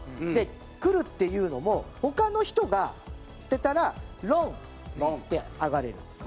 くるっていうのも他の人が捨てたら「ロン」って言ってアガれるんですね。